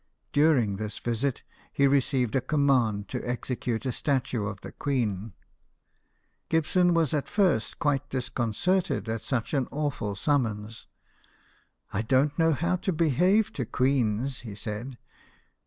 During this visit, he received a command to execute a statue of the queen. Gibson was at JOHN GIBSON, SCULPTOR. 83 firs: quite disconcerted at such an awful sum .mo:is. " I don't know how to behave to queens," he said.